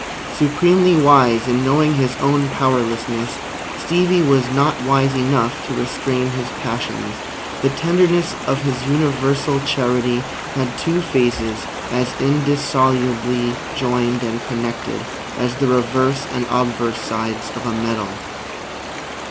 Supremely wise in knowing his own powerlessness, Stevie was not wise enough to restrain his passions. The tenderness of his universal charity had two phases as indissolubly joined and connected as the reverse and obverse sides of a medal.